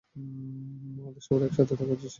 আমাদের সবার একসাথে থাকা উচিত ছিল।